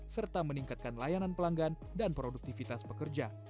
serta meningkatkan layanan pelanggan dan produktivitas pekerja